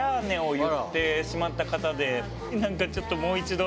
なんかちょっともう一度。